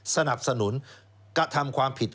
สนับสนุนกระทำความผิด